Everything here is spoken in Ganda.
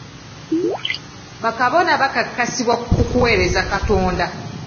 Ba Kabona bakakasibwa kuweereza Katonda.